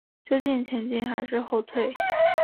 究竟前进还是后退？